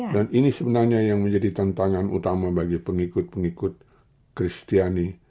dan ini sebenarnya yang menjadi tantangan utama bagi pengikut pengikut kristiani